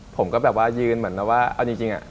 ผมก็ยืนจริงอะ